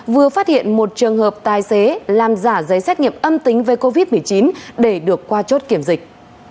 vừa phát hiện một trường hợp tài xế làm giả giấy xét nghiệm âm tính với covid một mươi chín để được qua chốt kiểm dịch